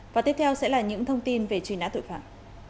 và tiếp theo sẽ là những thông tin về truy nã tội phạm